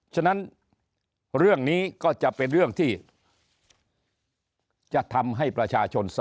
ฉะนั้นเรื่องนี้ก็จะเป็นเรื่องที่จะทำให้ประชาชน